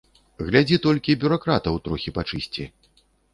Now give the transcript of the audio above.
Глядзі толькі бюракратаў трохі пачысці.